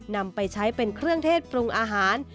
นำไปใช้เป็นเครื่องเทศปรุงอาหาร